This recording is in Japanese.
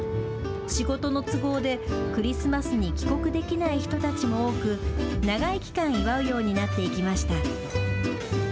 仕事の都合で、クリスマスに帰国できない人たちも多く、長い期間、祝うようになっていきました。